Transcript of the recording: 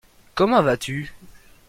Comment vas-tu ?